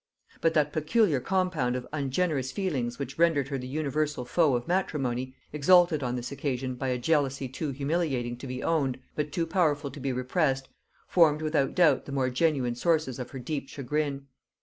But that peculiar compound of ungenerous feelings which rendered her the universal foe of matrimony, exalted on this occasion by a jealousy too humiliating to be owned, but too powerful to be repressed, formed without doubt the more genuine sources of her deep chagrin.